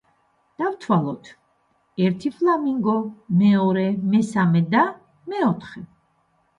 დავთვალოთ: ერთი ფლამინგო, მეორე, მესამე და მეოთხე.